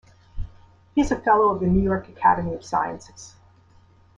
He is a Fellow of the New York Academy of Sciences.